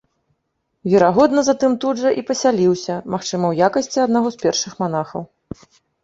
Верагодна, затым тут жа і пасяліўся, магчыма, у якасці аднаго з першых манахаў.